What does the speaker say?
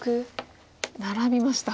ナラびました。